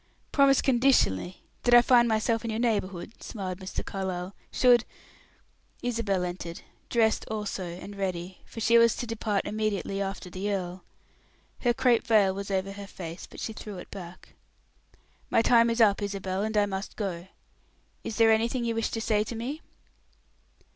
"Promised conditionally that I find myself in your neighborhood," smiled Mr. Carlyle. "Should " Isabel entered, dressed also, and ready, for she was to depart immediately after the earl. Her crape veil was over her face, but she threw it back. "My time is up, Isabel, and I must go. Is there anything you wish to say to me?"